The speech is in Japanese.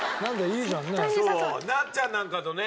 なっちゃんなんかとね